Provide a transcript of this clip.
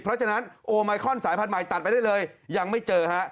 เพราะฉะนั้นโอไมคอนสายพันธุ์ใหม่ตัดไปได้เลยยังไม่เจอฮะ